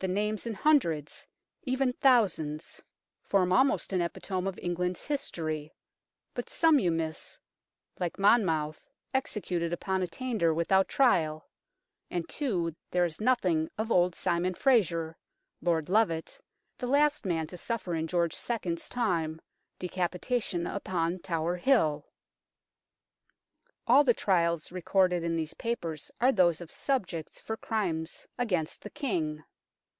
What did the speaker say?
The names in hundreds, even thousands, form THE BAGA DE SECRETIS 155 almost an epitome of England's history, but some you miss, like Monmouth, executed upon attainder without trial ; and, too, there is nothing of old Simon Eraser, Lord Lovat, the last man to suffer, in George II. 's time, decapitation upon Tower Hill. All the trials recorded in these papers are those of subjects for crimes against the King.